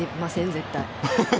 絶対。